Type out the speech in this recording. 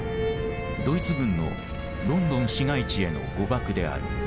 ドイツ軍のロンドン市街地への誤爆である。